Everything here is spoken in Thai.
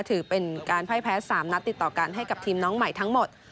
ถือเป็นการไพ่แพ้๓นัดติดต่อกันให้กับทีมน้องใหม่ทั้งหมด